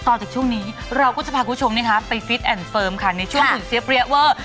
ต่อจากช่วงนี้เราก็จะพาคุณผู้ชมไปฟิตแอนด์เฟิร์มค่ะในช่วงของเสียเปรี้ยเวอร์